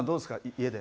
家で。